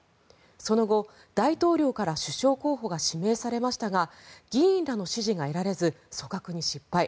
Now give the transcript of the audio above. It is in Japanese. その後、大統領から首相候補が指名されましたが議員からの支持が得られず組閣に失敗。